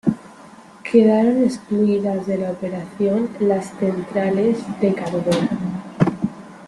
Quedaron excluidas de la operación las centrales de carbón.